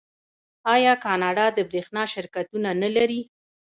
آیا کاناډا د بریښنا شرکتونه نلري؟